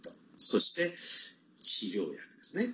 そして、治療薬ですね。